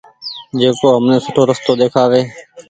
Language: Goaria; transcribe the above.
جڪو همني سوُٺو رستو ۮيکآوي ۔